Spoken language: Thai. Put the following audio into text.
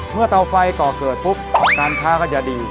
เตาไฟก่อเกิดปุ๊บการค้าก็จะดี